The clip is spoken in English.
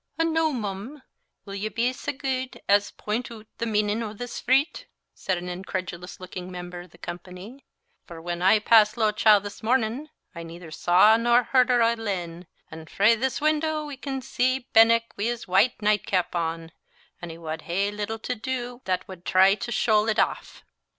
Cataract. "An' noo, ma'am, will ye be sae gude as point oot the meanin' o' this freet," said an incredulous looking member of the company; "for when I passed Lochdow this mornin' I neither saw nor heard o' a lin; an' frae this window we can a' see Benenck wi' his white night cap on; an' he wad hae little to do that wad try to shoal it aff."